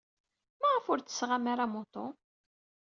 Maɣef ur d-tessaɣem ara amuṭu?